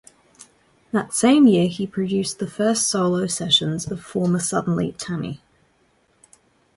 That same year he produced the first solo sessions of former Suddenly, Tammy!